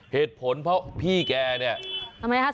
เหตุผลเพราะพี่แกเนี่ย